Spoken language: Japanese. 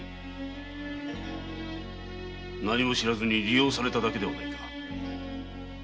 何も知らずに利用されただけではないか。